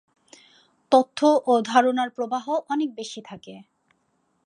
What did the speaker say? তথ্য ও ধারণার প্রবাহ অনেক বেশি থাকে।